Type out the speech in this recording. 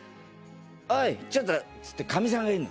「おいちょっと」っつってカミさんがいるの。